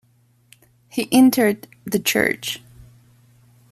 He entered the church.